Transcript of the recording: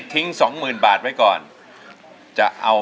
พี่ต้องรู้หรือยังว่าเพลงอะไร